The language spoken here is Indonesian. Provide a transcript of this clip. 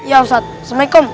iya ustadz assalamualaikum